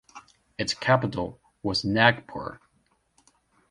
Its capital was Nagpur.